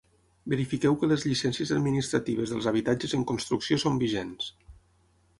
Verifiqueu que les llicències administratives dels habitatges en construcció són vigents.